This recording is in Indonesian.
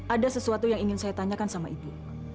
ada sesuatu yang ingin saya tanyakan sama ibu